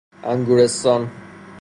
انگورستان